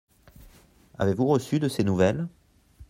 Avez-vous reçu de ses nouvelles ?